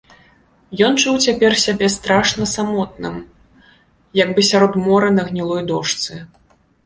Ён чуў цяпер сябе страшна самотным, як бы сярод мора на гнілой дошцы.